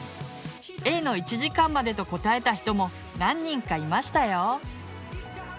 Ａの「１時間まで」と答えた人も何人かいましたよ。